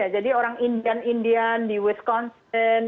jadi orang indian indian di wisconsin